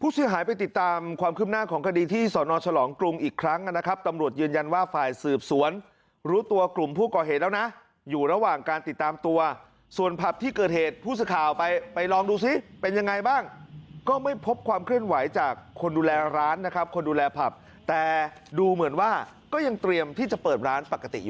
ผู้เสียหายไปติดตามความคืบหน้าของคดีที่สอนอฉลองกรุงอีกครั้งนะครับตำรวจยืนยันว่าฝ่ายสืบสวนรู้ตัวกลุ่มผู้ก่อเหตุแล้วนะอยู่ระหว่างการติดตามตัวส่วนผับที่เกิดเหตุผู้สื่อข่าวไปไปลองดูซิเป็นยังไงบ้างก็ไม่พบความเคลื่อนไหวจากคนดูแลร้านนะครับคนดูแลผับแต่ดูเหมือนว่าก็ยังเตรียมที่จะเปิดร้านปกติอยู่